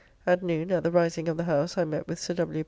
At noon, at the rising of the House, I met with Sir W.